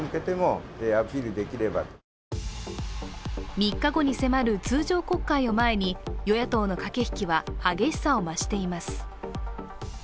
３日後に迫る通常国会を前に与野党の駆け引きは激しさを増しています。